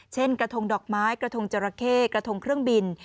กระทงดอกไม้กระทงจราเข้กระทงเครื่องบิน